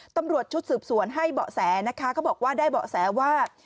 ตำรวจชุดสืบสวนให้เบาะแสนะคะเขาบอกว่าได้เบาะแสว่า